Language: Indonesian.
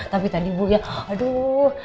tapi tadi bu ya aduh